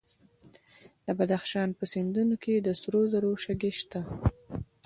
د بدخشان په سیندونو کې د سرو زرو شګې شته.